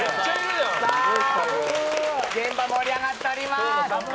現場、盛り上がっております。